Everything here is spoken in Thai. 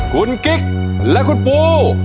คุณกิ๊กและคุณปู